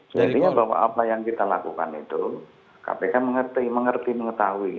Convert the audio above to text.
sebenarnya pak pak apa yang kita lakukan itu kpk mengerti mengerti mengetahui